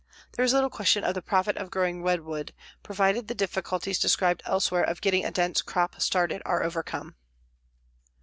There is little question of the profit of growing redwood, provided the difficulties described elsewhere of getting a dense crop started are overcome.